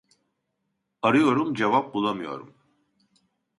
Arıyorum cevap bulamıyorum